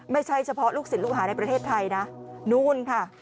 ไม่ใช่เฉพาะลูกศิลป์ลูกหาในประเทศไทย